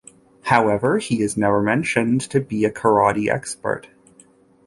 However, he is never mentioned to be a karate expert.